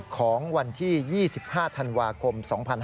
ของวันที่๒๕ธันวาคม๒๕๕๙